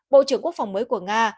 bộ trưởng quốc phòng mới của nga